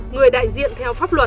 người đại diện theo pháp luật